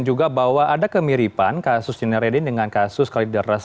juga bahwa ada kemiripan kasus jeneralin dengan kasus kalidras